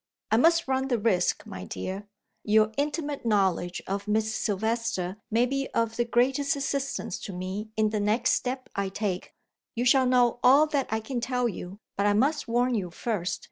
"I must run the risk, my dear; your intimate knowledge of Miss Silvester may be of the greatest assistance to me in the next step I take. You shall know all that I can tell you, but I must warn you first.